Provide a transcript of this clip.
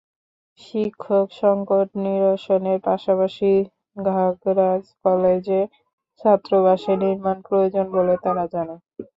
শিক্ষকসংকট নিরসনের পাশাপাশি ঘাগড়া কলেজে ছাত্রাবাস নির্মাণ প্রয়োজন বলে তারা জানায়।